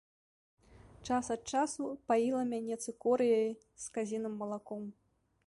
Час ад часу паіла мяне цыкорыяй з казіным малаком.